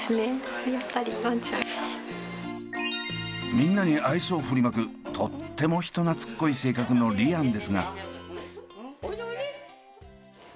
みんなに愛想を振りまくとっても人懐っこい性格のリアンですが。